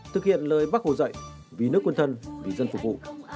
thực hiện lời bác hồ dạy vì nước quân thân vì dân phục vụ